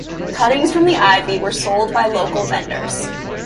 Cuttings from the ivy were sold by local vendors.